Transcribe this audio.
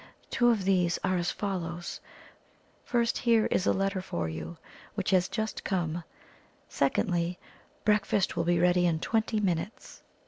Two of these are as follows; First, here is a letter for you, which has just come; secondly, breakfast will be ready in twenty minutes!"